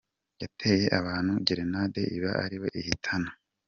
Yateye abantu ’gerenade’ iba ari we ihitana